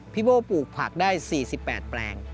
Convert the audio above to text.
โบ้ปลูกผักได้๔๘แปลง